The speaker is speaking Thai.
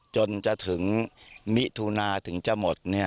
จนจะถึงมิถุนาถึงจะหมด